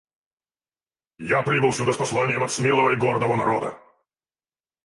Я прибыл сюда с посланием от смелого и гордого народа.